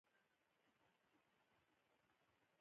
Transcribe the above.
خوپښتنو مات کړ چيغه يې پرې وکړه